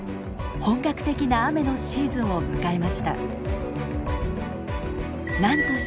本格的な雨のシーズンを迎えました。